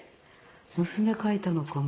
娘描いたのかな？